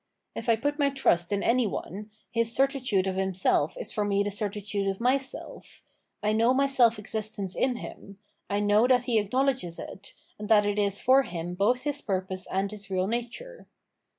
If I put my trust in any one, his certitude of himseK is for me the certitude of myself; I know my self existence in him, I know that he acknow ledges it, and that it is for him both his purpose and his real nature.